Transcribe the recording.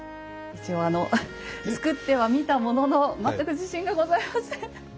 一応作ってはみたものの全く自信がございません。